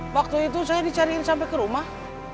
waktu itu saya dicariin sampai ke rumah